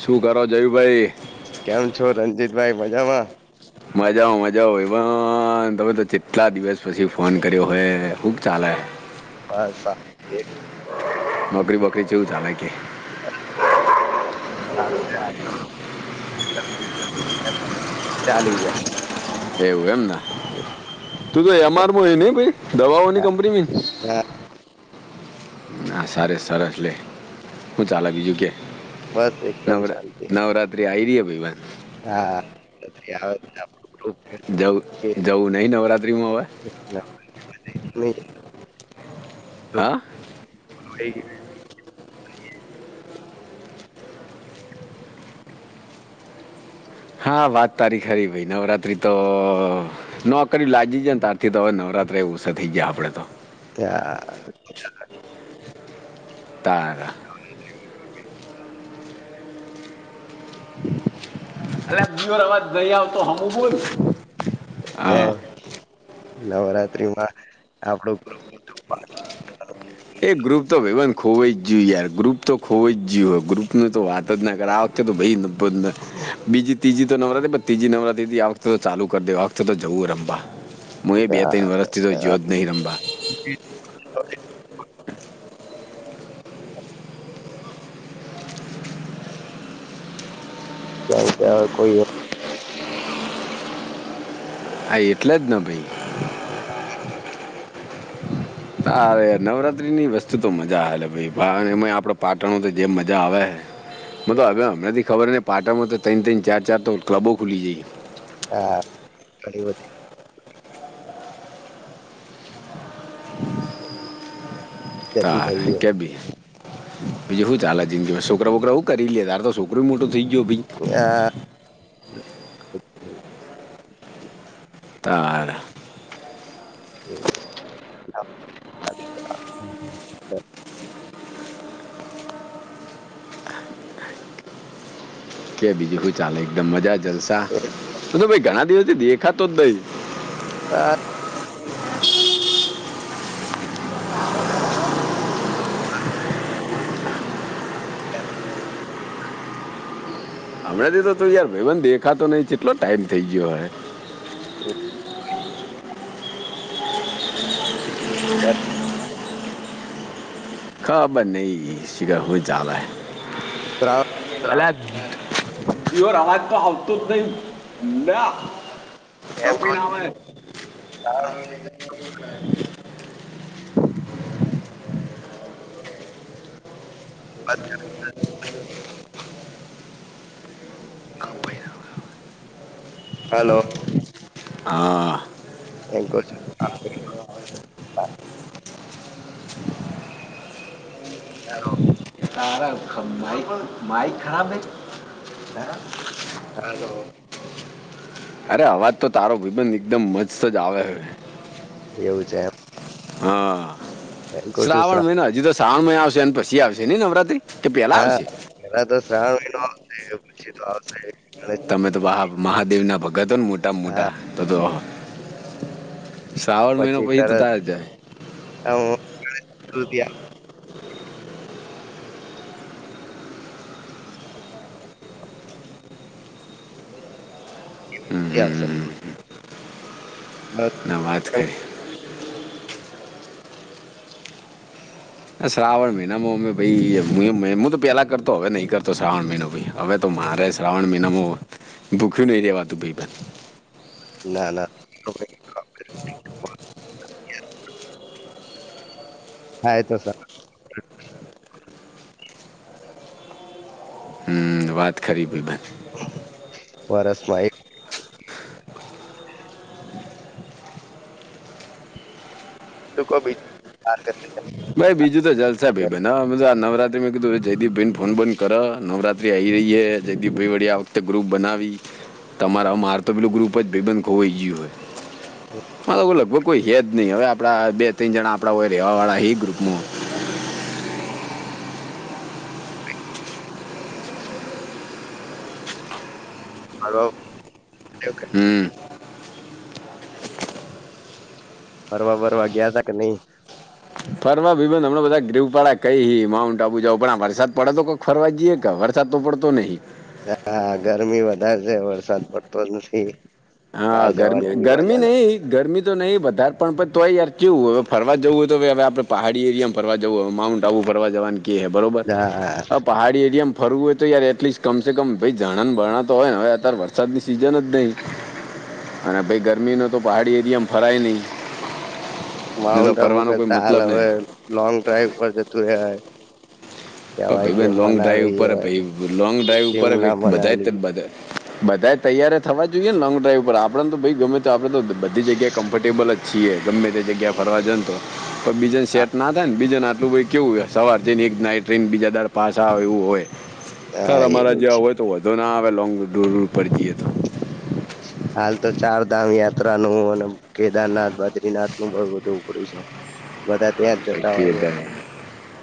શું કરો જયુંભાઈ? કેમ છો રંજીતભાઈ મજામાં? મજા આવ મજા આવ એ પણ તમે તો જેટલા દિવસ પછી ફોન કર્યો હય શુક ચાલે. બસ આ. એકદમ નોકરી બોકરી જેવું ચાલે કે. [unintelligible] [unintelligible] ચાલ્યું છે. એવું એમના. તું તો એમઆરમાં હોય ને દવાઓની હા, કંપનીમાં. હા, હા, સરસ સરસ લે હું ચાલે બીજું કે. બસ એકદમ નવરા શાંતિ નવરાત્રિ આઈ [unintelligible] હા [unintelligible] જવું જવું નઈ નવરાત્રિમાં હવે. નવમી હા [unintelligible] હા, વાત તારી ખરી ભાઈ નવરાત્રી તો નો. ક લાજી જાયને તારથી તો હવે નવરાત્રે એ ઉસા થઈ જાય આપણે તો. ક્યાં. તારા. [inaudible] અ બર અવાજ ગઈ આવતો હમુંય એ નવરાત્ર્રી માં આપડું એ ગ્રુપ તો ભાઈન ખોવો જ ગયું યાર ગ્રુપ તો ખોવો જ ગયું હોય ગ્રુપનું તો વાત નગર આવતે તો ભાઈ બીજી ત્રીજી તો નવરાતી ત્રીજી નવરાતી આ વખતે તો ચાલુ કરી દે આ વખતે તો જવું રમવા. હ એ બે ત્રણ વર્ષથી તો જ્યો જ નહીં રમવા. [unintelligible] [unintelligible] [unintelligible] કોઈ. હા, એટલે જ તો ભઈ. [inaudible] હા, નવરાત્રીની વસ્તુ તો મજા હાલે ભઈ એમાં આપડે પાટણ તો જેમ મજા આવે. મતલબ હવે હમણાથી ખબર ને પાટામાં તો ત્ર તન ચાર ચાર તો કલબો ખુલી જાય. હા [unintelligible] જતી તાર થઈ છે કેવીી પીી શું ચા આ જિંદગીમાં છોકરા છોકરાું કરી લે તાર તો છોકરોું મોટું થઇ ગયો ભ આ તાર હ કે બીજું શું ચાલે એકદમ મજા જલસા ભાઈ ઘણા દિવસે દેખાતો જ દઈ હા [inaudible] હ હમણાંથી તો યાર ભાઈન દેખાતો નહી કેટલો ટાઈમ થઈ ગયો હવે હ હમ ખાબર નહી શિગ હોય ચાલા ત્રાણ ચલા પયોર અવાજ તો હાલતો જ નહી ના કપ મહિનામાંાર મહ હા ક હલો. હા. એ હલકો છે. તારા પણ માઇક ખરાબ હૈ. હા, હલો અરે અવાજ તો તારો વિબંધ એકદમ મજતજ આવે હવે એવું છે એમ હા કઉ છું શ્રાવણ મહયનો હજી તો શ્રાવણ મહય આવશે પછી આવશે નઈ નવરાતિ કે પેલા હા, આવશે પેલા તો શ્રાવ ન આવશે પછી તો આવશે ગ તમે તો મહાદેવ ના ભગતો મોટામાં હા, મોટા તો તો. શ્રાવણ મહિનો પછી તો તરત તાર જાય હું. [unintelligible] આવતી આવશે. હમ્મ. ના વાત કરે. શ્રાવણ મહિનામાં અમે ભાઈ હું હું તો પહેલા કરતો હવે નહીં કરતો શ્રાવણ મહિનો ભાઈ. હવે તો મારે શ્રાવણ મહિનામાં ભૂખ્યું નહી રેવાતું ભઈબંધ. ના ના હો ભઈ. [inaudible] તો સર. [unintelligible] હ વાત ખરી ભઈબંધ. વરસમાં એક [inaudible] શું કો બી. [unintelligible] ભાઈ બીજું તો જલસા ભઈબંધ હ નવરાત્રી મે કીધું જયદીપ ભઈ ને ફોન બંધ કરો નવરાત્રી આ આવી રહી હ જયદીપ ભાઈ વળી આ વખતે ગ્રુપ બનાવી. તમારા માર તો પેલુ ગ્રુપ જ ભઇબંધ ખોવાઈ ગિયું હે. હમ્મ. હવે લગભગ કોઈ હ જ નહી હવે આપ બે ત્રણ જણા આપણા હોય ર રહેવા વાળા હ ગ્રુપમાં. હાલો. હમ્મ. ફરવા બરવા ગયા તા કે નહીં. ફરવા ભઈબંધ હમણાં બધા ગ્રુપવાળા કઈ માઉન્ટ આબુ જાવ પણ આ વરસાદ પડે તો કોક ફરવા જઈએ ક વરસાદ તો પડતો નહીં. હા ગરમી વધારે છે વરસાદ પડતો જ નથી. હા બહાર ગરમી જવાની બી ગરમી મજા નથી. નહી. ગરમી તો નહી વધાર પણ તોય યાર કેવું હવે ફરવા જવું હોય તો હવે આપણે પહાડી એરિયામાં ફરવા જવું હ માઉન્ટ આબુ ફરવા જવાનું કે હે બરોબર હા, આ પહાડી એરિયામા. ફરવું હોય તો યાર એટલીસ્ટ કમ સ કમ ભાઈ ઝરણાં ને બરણા તો હોય ને હવે અત્યારે વરસાદની સિઝન જ નહીં. અને ભઈ ગરમી ન તો પહાડી એરિયામાં ફરાય નહી. માઉન્ટન્ટ આબુ કેતા હાલવે લોંગ ડ્રાઈવ પર જતુ રેવાય. પર કેવાય કે ભઈબન્ધ લોંગ ડ્રાઈવ મનાલી, ઉપર અ, ભઈ લોંગ ડ્રાઈવ ઉપર શિમલા, ભ બધા મનાલી બધા. બધા તૈયાર થવા જોઈએને લોંગ ડ્રાઈવ ઉપર આપડને તો ભઈ ગમે તો આપડ તો બધી જગ્યા કમ્ફર્ટેબલ જ છીએ ગમે તે જગ્યા ફરવા જોન તો. પર બીજે હા, સેટ ના થાય ને બીજન આટલું કેવું સવારથી ને એક નાઈટ. ટ્રેન બીજા દર પાસે આવે એવું હોય ત હા, એ અમારા બી છે. જેવા હોય તો વોધો ના આવે લોંગ ટૂર ઉપર જીયે તો હાલ તો ચારધામ યાત્રા ન હું અને. કેદારનાથ, બદ્રીનાથ નું બ બધું ઉપડ્યું છે બધા ત્યાં જ ભાઈ જતા કે હોય છે. દાડે.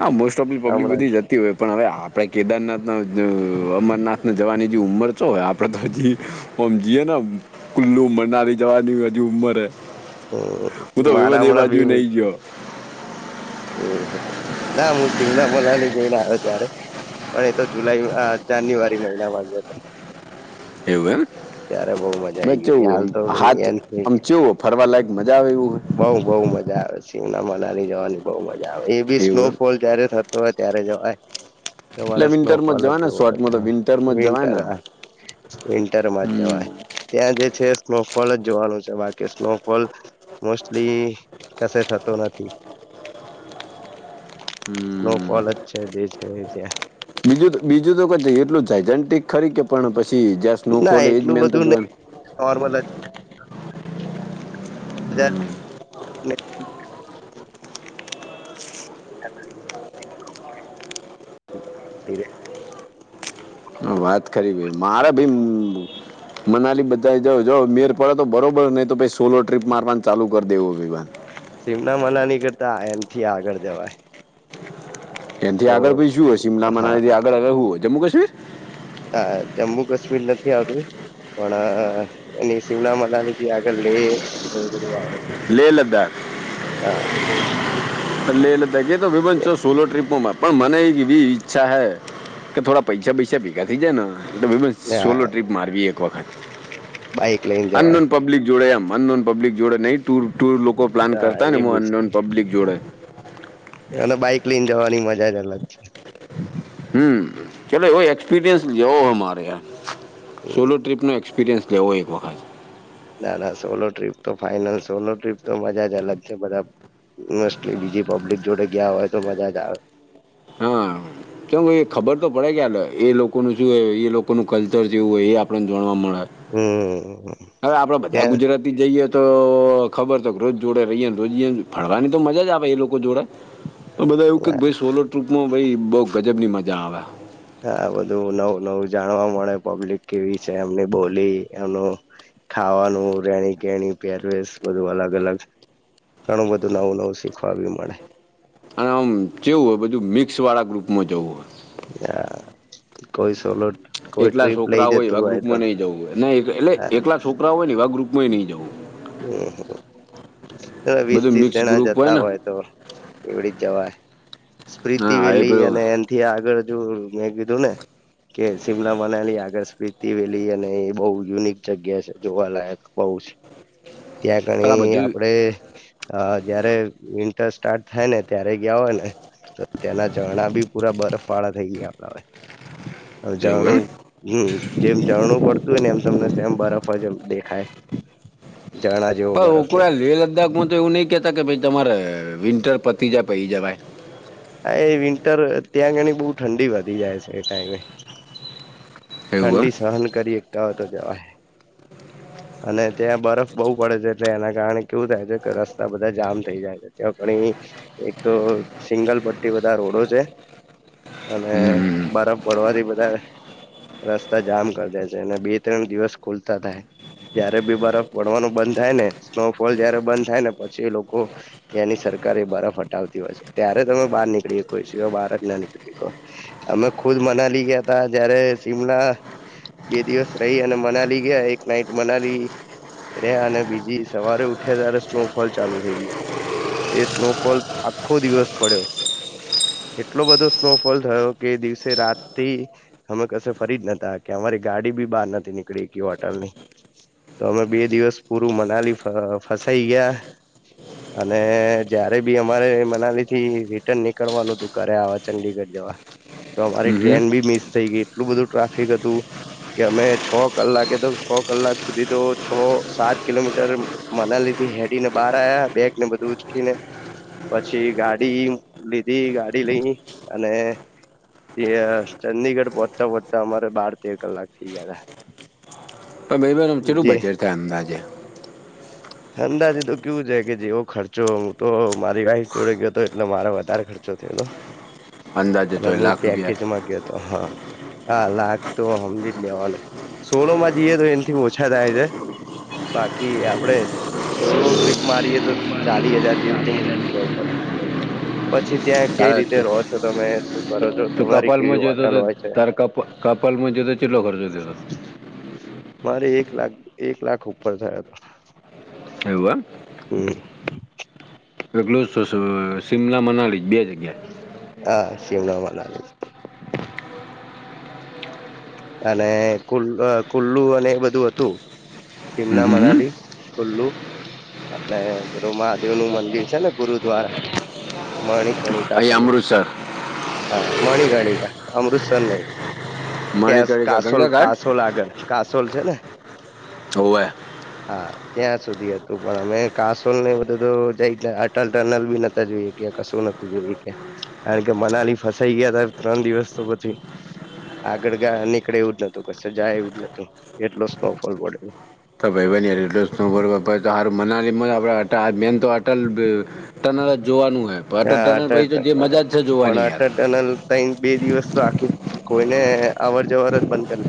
હા મોસ્ટઓફલી પબ્લિક હમણાં બધી જતી હોય. પણ હવે આપણે કેદારનાથના અમરનાથને જવાની જે ઉંમર છો આપણે તો હજી હમ જઈએ નમ, કુલ્લું મનાલી જવાની હજી ઉંમરે હું તો હમ મારા વેવદ એ હમણાં બાજુ નઈ ગયો. અહ, ના હું શિમલા મનાલી ગયેલા હતા ત્યારે પણ એ તો જુલાઈ અ જાન્યુઆરી મહિનામા ગ્યો હતો. એવું એમ ત્યારે બહુ મજા મે આઈ ગઈ હતી હાલ ચેવું તો હાથ આમ ચેવું હો ફરવા લાયક મજા આવે એવું હો. બઉ બઉ મજા આવે શિમના મનાલી જવાની બહુ મજા આવે એ બી હોય એવું એમ સ્નોફોલ જયારે થ તોય ત્યારે જવાય. એટલે તમારે વિન્ટરમાં સ્નોફોલ જ જવાય ને જોવો શોર્ટમાં તો વિન્ટરમાં જ જવાય વિન્ટર ને હ વિન્ટરમાં જ. હમ જવાય ત્યાં જે છે સ્નોફોલ જ જોવાનું છે બાકી સ્નોફોલ મોસ્ટલી કસે થતો નથી. હમ સ્નોફોલ જ છે જે છે એ છે. બીજું દ બીજું તો ક એટલું જાયજેન્ટિક ખરી કે પણ પછી, જ્યાં સ્નોફોલ એજ મેન તો જોવાનું કાર્બોનેટ કયા ને [inaudible] ઉભીરે વાત ખરી ભઈ મારે ભીમ મનાલી બધા એ જવુ, જો નેર પડે તો બરોબર, નહી તો ભાઈ સોલો ટ્રીપ મારવાનું ચાલુ કરી દેવું વિવાને. શિમના મનાલી કરતા એનથી આગળ જવાય. એનથી તો આગળ પછી શું હોય? સીમલા હા મનાલી થી આગળ હવે હું હોય? જમ્મુ કાશ્મીર? હા, જમ્મુ કાશ્મીર નથી આવતું. પણ, સીમલા મનાલી થી આગળ લેહ ને બધું આવે. લેહ લદ્દાખ, હા પણ લેહ લદ્દાખ કે લો વિમાનચો સોલો ટ્રિપ હું મારું. પણ મને એક એવી ઈચ્છા હૈ, કે થોડા પૈસા બૈસા ભેગા થઈ જાય ન. [unintelligible] હા સોલો ટ્રીપ મારવી એક વખત, બાઈક લઈને જવાય અન્નનૂન પબ્લિક જોડે એમ અનનોન પબ્લિક જોડે નહી, ટુર ટુર લોકો પ્લાન હા કરતા ને એ મો બી અનનોન પબ્લિક જોડે અને બાઈક લઈને જવાની મજા જ અલગ છે. હમ્મ, ચલો એવો એક્સપીરિયન્સ લેવો હમારે એમ. સોલો ટ્રીપનો એક્સપિરિયન્સ લેવો એક વખત. ના ના સોલો ટ્રીપ તો ફાાઈનલ, સોલો ટ્રીપ તો મજા જ અલગ છે, બધ મસ્ટ બીજી પબ્લિક જોડે ગયા હોય તો મજાજ આવ હા કેમએ ખબર તો પડે કે હલે એ, લોકોનું શું એ, એ લોકોનું કલ્ચર જેવું હોય એ આપણને જોણવા મળે. હમ્મ હવે આપણે બધા ગુજરાત તી જઈએ તો, ખબર તો રોજ જોડે રહીએને રોજ ફળવાની તો મજાજ આવે એ લોકો જોડે. [inaudible] અ બધા એવું કે, ભઈ સોલો ટ્ર્રીપમાં ભઈ બઉ ગજબની મજા આવે. હા બધું નવું નવું જાણવા મળે, પબ્લિક કેવી છે, એમની બોલી, એમનું ખાવાનું, રેણીકેણી, પેરવેશ, બધું અલગ અલગ ઘણું બધું નવું નવું શીખવા બી મળે. આમ કેવું હોય, બધું મિક્સવાળા ગ્રુપમાં જવું હોય. [unintelligible] કોઈ સોલો કોઈ એકલા ટ્રીપ લઈ છોકરા હોય જતું એવા તો ગ્રુપમાં નઈ જવું હોય, એટલે એકલા છોકરા હોય ને એવા ગ્રુપ મોહે નહી જાઉં હમ્મ, એ વીસ બધું ત્રીસ મિક્સ જણા ગ્રુપ જતા ને હોય. તો એવડી જવાય, સ્પ્રિતી હા એ વેલી પેલું અને એલ કે આગળ હજુ મેં કીધું ને. કે શિમલા મનાલી આગળ, સ્પ્રીતિ વેલી અને એ બહુ યુનિક જગ્યા છે, જોવાલાયક બઉજ. ત્યાં આગળ પણ આ એ બધું આપડે હા જયારે વિન્ટર સ્ટાર્ટ થાય ને ત્યારે ગયા હોય ને તો ત્યાંના ઝરણા બી પૂરા બરફવાળા થઈ ગાયેલા હોય. એવું એમ હજાણું, યુ જેમ જણવું પડતું હોયને, એમ તમને એમ બરફ જ એમ દેખાય. જણાજ પણ હુ કો આ લે લદ્દાખમાં તો એવું નહી કહેતા, કે ભઈ તમારે વિન્ટર પતી જાય પહિ જવાય. આ એ વિન્ટર, ત્યાં જઈને બહુ ઠંડી વધી જાય છે એ ટાઈમે. એવું ઠંડી સહન કરી એકતા હો તો જવાય. અને ત્યાં બરફ બહુ પડે છે એટલે એના કારણે કેવું થાય છે કે રસ્તા બધા જામ થઈ જાય છે. ત્યાં પણી એક તો સિંગલ પટ્ટી બધા રોડો છે. અને એમ હમ બરફ પડવાથી બધાં રસ્તા જામ કર દે છે. અને બે ત્રણ દિવસ ખુલતા થાય. જયારે બી બરફ પડવાનું બંધ થાય ને, સ્નોફોલ જયારે બંધ થાય ને પછી લોકો ત્યાંની સરકાર એ બરફ હટાવતી હોય છે. ત્યારે તમે બહાર નીકળી હકો એ સિવાય બાર જ ના નિકળી હકો. અમે ખુદ મનાલી ગયાતા જયારે શિમલા બે દિવસ રહી અને મનાલી ગયા એક નાઈટ મનાલી રયા અને બીજી સવારે ઉઠ્યા ત્યારે સ્નોફોલ ચાલુ થઈ ગયો. એ સ્નોફોલ આખો દિવસ પડ્યો. એટલો બધો સ્નોફોલ થયો કે એ દિવસે રાતથી અમે કસે ફરી જ નતા હકયા. અમારી ગાડી બી બહાર નથી નીકળી હકી હોટલની. તો અમે બે દિવસ પૂરું મનાલી ફ ફસાઈ ગયા. અને જયારે બી અમારે મનાલીથી રિટર્ન નીકળવાનું હતું ઘરે આવા ચંડીગઢ જવા. તો હમ અમારી હમ હમ ટ્રેન બી મિસ થઈ ગઈ. એટલું બધું ટ્રાફિક હતું. કે અમે છ કલાકે તો છ કલાક સુધી તો છ સાત કિલોમીટર એમ મનાલીથી હેડી ને બહાર આયા બેગને બધું ઉચકીને. પછી ગાડી લીધી, ગાડી લઈ અને પછી ચંદીગઢ પહોંચતા પહોચતા અમારે બાર તેર કલાક થઇ ગયાતા. પણ ભઈબંધ આમ ચેટલું બજેટ થાય અંદાજે? [inaudible] અંદાજે તો કેવું છે, કે જેવો ખર્ચો હું તો મારી વાઇફ જોડે ગયો તો એટલે મારો વધારે ખર્ચો થયો તો. અંદાજે એટલે તો એ મું લાખ રૂપિયા પેકેજમાં ગયો તો હા. હા લાખતો હમજી જ લેવાનું. સોલોમાં જઈએે તો એનથી ઓછા થાય છે. બાક કી આપડે સોલો ટ્રીપ મારીએે તો ચાલી હજાર જેવું તો મૂકી જ દેવું પડે. પછી ત્યાં કઈ તારે રીતે રો તું છો તમે, શું કરો છો, તમારી કપાલમાં કેવી જતો હોટલ તો હોય છે. તારે કપ કપાલમાં જતો કેટલો ખર્ચો થયો મારે એક લાખ એક લાખ ઉપર થયા. એવું એમ? હમ્મ [inaudible] શિમલા, મનાલી બે જગ્યાએ. હા શિમલા, મનાલી. અને કુલ અ કુલ્લુ અને એ બધું હતું. હમ સીમલા, હમ હમ. મનાલી, કુલ્લુ. અને ગુરુ મહાદેવનું મંદિર છે, ને ગુરુદ્વારા? મણિકણિકા અહીં કરીને. અમૃતસર હા મણિકણિકા અમૃતસર નહીં. કેસ મણિકર્ણિકા કાસોલ, ગંગા ઘાટ કાસોલ આગળ કાસોલ છે ને? હોવે. હા ત્યાં સુધી હત તું પણ અમે કાસોલ ને એ બધું તો [unintelligible] અટલ ટનલ બી નહતા જોયા કે કશું નતું જોયું કે કારણ કે મનાલી ફસાઈ ગયા તા ત્રણ દિવસ તો પછી આગળા ગા નીકળે એવું જ નતું, કશું જાય એવું જ નતું, એટલો સ્નોફોલ પડે [unintelligible] [unintelligible] ટનલ જ જોવાનું હે, પણ અટલ ટનલ પછી તો જે મજા જ છે જોવાની યાર. તઈન બે દિવસ તો આખી કોઈને અવર જવર જ બંધ કર